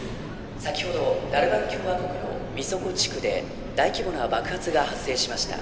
先ほどダルバン共和国のミソコ地区で大規模な爆発が発生しました